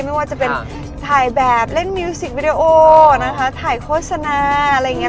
ไม่ว่าจะเป็นถ่ายแบบเล่นมิวสิกวิดีโอนะคะถ่ายโฆษณาอะไรอย่างนี้